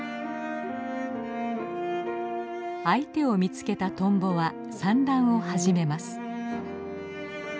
相手を見つけたトンボは産卵を始めます。